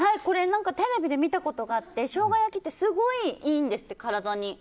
テレビで見たことがあってしょうが焼きってすごい、いいんですって、体に。